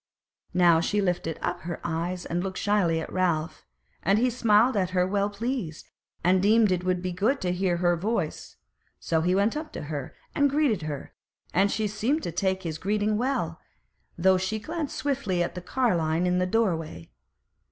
Now she lifted up her eyes and looked shyly at Ralph, and he smiled at her well pleased, and deemed it would be good to hear her voice; so he went up to her and greeted her, and she seemed to take his greeting well, though she glanced swiftly at the carline in the doorway.